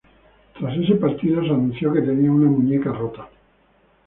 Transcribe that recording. Tras ese partido, se anunció que tenía una muñeca rota.